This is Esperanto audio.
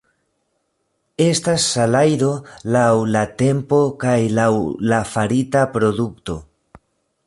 Estas salajro laŭ la tempo kaj laŭ la farita produkto.